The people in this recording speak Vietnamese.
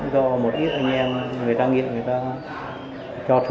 do một ít anh em người ta nghiện người ta cho thuê